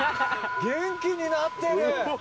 元気になってる！